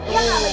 iya gak bener